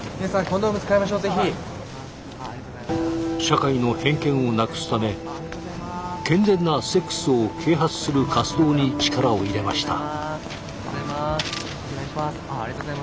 社会の偏見をなくすため健全なセックスを啓発する活動に力を入れました。